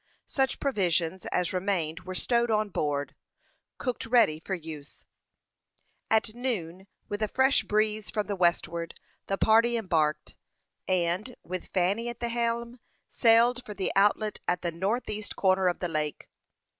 Such provisions as remained were stowed on board, cooked ready for use. At noon, with a fresh breeze from the westward, the party embarked, and, with Fanny at the helm, sailed for the outlet at the north east corner of the lake.